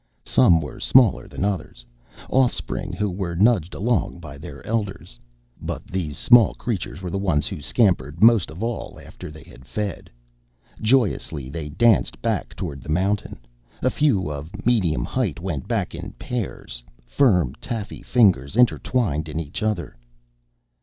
Some were smaller than others, offspring who were nudged along by their elders. But these small creatures were the ones who scampered most of all after they had fed. Joyously they danced back toward the mountain. A few of medium height went back in pairs, firm taffy fingers intertwined in each other.